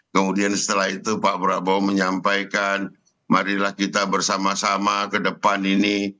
kemudian setelah itu pak prabowo menyampaikan marilah kita bersama sama ke depan ini